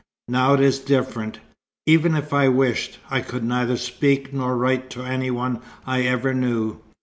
Now it is different. Even if I wished, I could neither speak nor write to any one I ever knew.